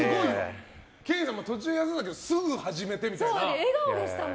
ケインさんも途中、休んだけどすぐ始めてみたいな。